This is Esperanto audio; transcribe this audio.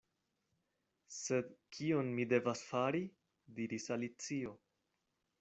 "Sed kion mi devas fari?" diris Alicio.